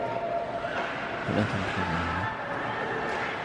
هل أنت مبسوط هنا ؟